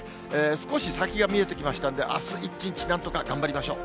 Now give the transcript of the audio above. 少し先が見えてきましたんで、あす１日、なんとか頑張りましょう。